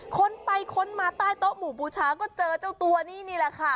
คนไปค้นมาใต้โต๊ะหมู่บูชาก็เจอเจ้าตัวนี้นี่แหละค่ะ